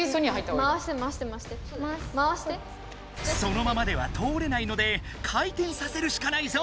そのままでは通れないので回転させるしかないぞ。